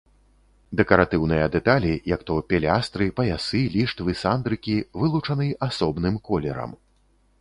Дэкаратыўныя дэталі, як то пілястры, паясы, ліштвы, сандрыкі, вылучаны асобным колерам.